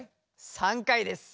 ３回です。